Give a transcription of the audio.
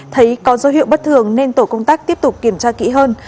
thấy có dấu hiệu bất thường nên tổ công tác tiếp tục kiểm tra kỹ hơn